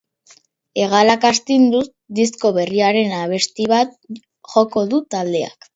Hegalak astinduz disko berriaren abesti bat joko du taldeak.